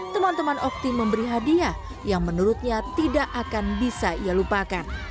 teman teman okti memberi hadiah yang menurutnya tidak akan bisa ia lupakan